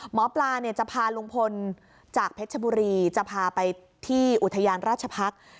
หมอปลาจะพาลุงพลจากเพชรชบุรีจะพาไปที่อุทยานราชพักษ์